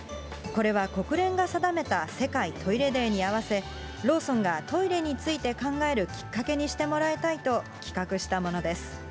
これは国連が定めた世界トイレデーに合わせ、ローソンがトイレについて考えるきっかけにしてもらいたいと企画したものです。